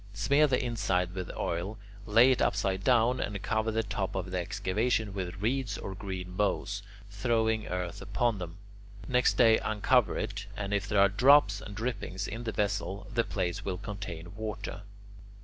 Smear the inside with oil, lay it upside down, and cover the top of the excavation with reeds or green boughs, throwing earth upon them. Next day uncover it, and if there are drops and drippings in the vessel, the place will contain water.